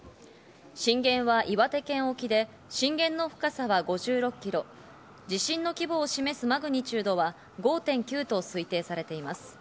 震源は岩手県沖で震源の深さは５６ｋｍ、地震の規模を示すマグニチュードは５．９と推定されています。